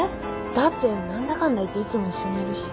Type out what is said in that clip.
だって何だかんだ言っていつも一緒にいるし。